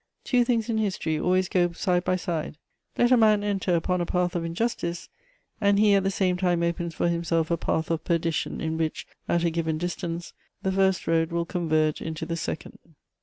Two things in history always go side by side: let a man enter upon a path of injustice, and he at the same time opens for himself a path of perdition in which, at a given distance, the first road will converge into the second.